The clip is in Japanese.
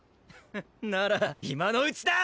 なら今のうちだ！